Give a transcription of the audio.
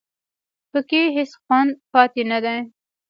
په کې هېڅ خوند پاتې نه دی